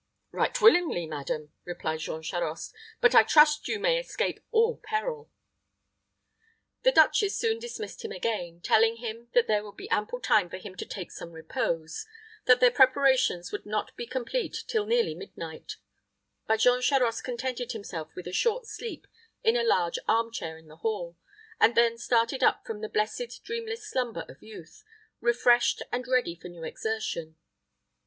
"Right willingly, madam," replied Jean Charost: "but I trust you may escape all peril." The duchess soon dismissed him again, telling him that there would be ample time for him to take some repose; that their preparations would not be complete till nearly midnight; but Jean Charost contented himself with a short sleep in a large arm chair in the hall, and then started up from the blessed, dreamless slumber of youth, refreshed and ready for new exertion.